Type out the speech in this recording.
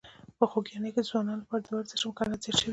په خوږیاڼي کې د ځوانانو لپاره د ورزش امکانات زیات شوي دي.